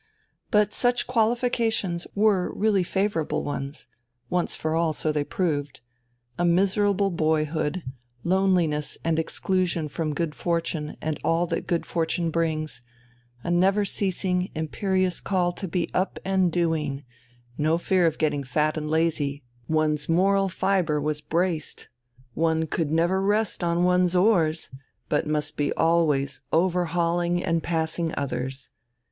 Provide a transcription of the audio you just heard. But such qualifications were really favourable ones once for all, so they proved. A miserable boyhood, loneliness and exclusion from good fortune and all that good fortune brings, a never ceasing, imperious call to be up and doing, no fear of getting fat and lazy, one's moral fibre was braced, one could never rest on one's oars, but must be always overhauling and passing others.